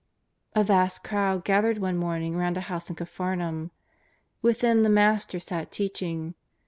A vast crowd gathered one morning round a house in Capharnaum. Within the Master sat teaching.